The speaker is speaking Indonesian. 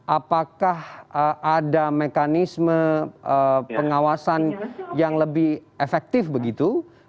apakah ada mekanisme pengawasan yang lebih efektif begitu